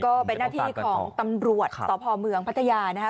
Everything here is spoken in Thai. ก็เป็นหน้าที่ของตำรวจสพเมืองพัทยานะคะ